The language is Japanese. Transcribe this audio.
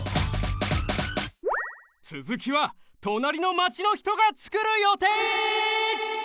つづきはとなりのマチのひとがつくるよてい！